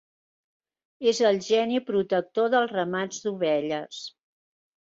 És el geni protector dels ramats d'ovelles.